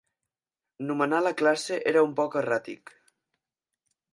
Nomenar la classe era un poc erràtic.